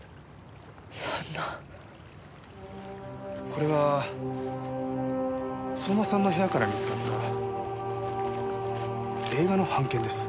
これは相馬さんの部屋から見つかった映画の半券です。